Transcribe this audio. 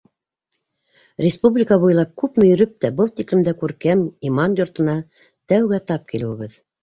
Республика буйлап күпме йөрөп тә, был тиклем дә күркәм иман йортона тәүгә тап килеүебеҙ.